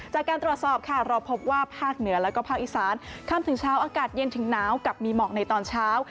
จากการตรวจสอบค่ะเราพบว่าภาคเหนือแล้วก็ภาคอีสานค่ำถึงเช้าอากาศเย็นถึงหนาวกับมีหมอกในตอนเช้า